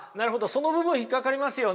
その部分引っ掛かりますよね。